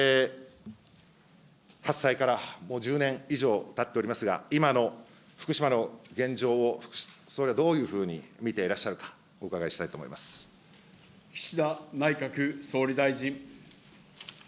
発災からもう１０年以上たっておりますが、今の福島の現状を、総理はどういうふうに見ていらっし岸田内閣総理大臣。